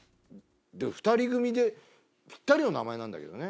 ２人組でピッタリの名前なんだけどね。